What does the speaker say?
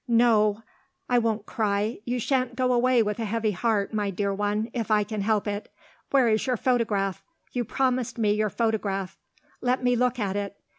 No! I won't cry. You shan't go away with a heavy heart, my dear one, if I can help it. Where is your photograph? You promised me your photograph. Let me look at it.